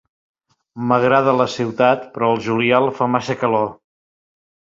M'agrada la ciutat, però al juliol fa massa calor.